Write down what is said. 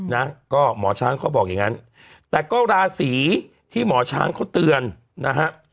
นะก็หมอช้างเขาบอกอย่างงั้นแต่ก็ราศีที่หมอช้างเขาเตือนนะฮะ